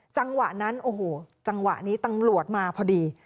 จังหวะนั้นโอ้โหจังหวะนี้ตำรวจมาพอดี